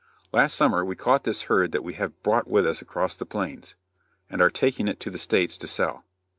Last summer we caught this herd that we have brought with us across the plains, and are taking it to the States to sell.